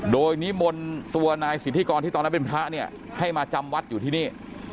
โดยนิมนต์ตัวนายสิทธิกรที่ตอนนั้นเป็นพระเนี่ยให้มาจำวัดอยู่ที่นี่